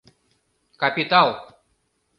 Капитал